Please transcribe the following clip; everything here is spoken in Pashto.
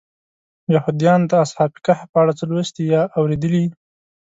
یهودیان د اصحاب کهف په اړه څه لوستي یا اورېدلي.